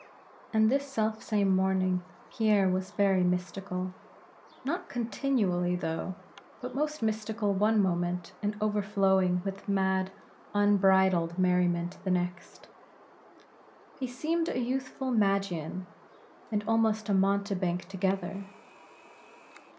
And this self same morning Pierre was very mystical; not continually, though; but most mystical one moment, and overflowing with mad, unbridled merriment, the next. He seemed a youthful Magian, and almost a mountebank together.